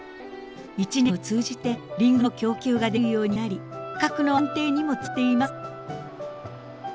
一年を通じてりんごの供給ができるようになり価格の安定にもつながっています。